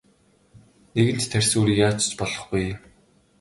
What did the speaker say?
Нэгэнт тарьсан үрийг яаж ч болохгүй.